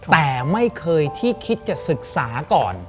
แต่ไม่เคยที่คิดจะศึกษาก่อน